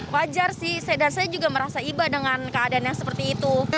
wajar sih dan saya juga merasa iba dengan keadaan yang seperti itu